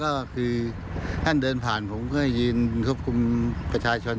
ก็คือท่านเดินผ่านผมก็ให้ยืนควบคุมประชาชน